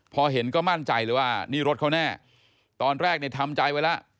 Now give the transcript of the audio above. พอเห็นก็มั่นใจเลยว่านี่รถเขาแน่ตอนแรกเนี่ยทำใจไว้แล้ว